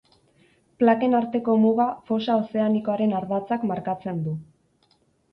Plaken arteko muga fosa ozeanikoaren ardatzak markatzen du.